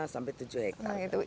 enam lima sampai tujuh hektare